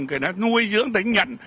người ta nuôi dưỡng tới nhận